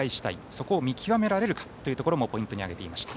そこを見極められるかというところもポイントに挙げていました。